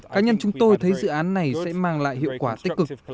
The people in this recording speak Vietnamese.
cá nhân chúng tôi thấy dự án này sẽ mang lại hiệu quả tích cực